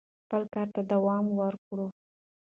خپل کار ته دوام ورکړو.